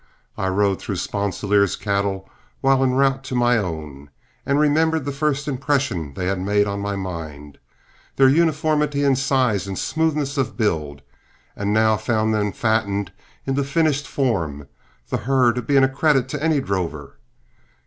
I rode through Sponsilier's cattle while en route to my own, and remembered the first impression they had made on my mind, their uniformity in size and smoothness of build, and now found them fatted into finished form, the herd being a credit to any drover.